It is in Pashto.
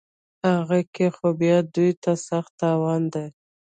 په هغه کې خو بیا دوی ته سخت تاوان دی